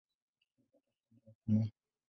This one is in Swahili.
Alipata Shahada ya sanaa.